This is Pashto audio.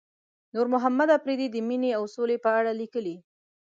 نورمحمد اپريدي د مينې او سولې په اړه ليکلي.